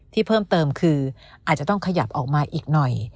ที่เพิ่มเติมคืออาจจะต้องขยับออกมาอีกหน่อย